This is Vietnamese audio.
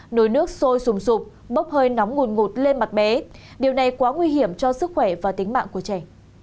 nồi nước sôi sùng sụp bốc hơi nóng ngùn ngụt lên mặt bé điều này quá nguy hiểm cho sức khỏe và tính mạng của trẻ